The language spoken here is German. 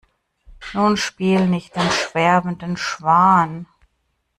Nun spiel nicht den sterbenden Schwan.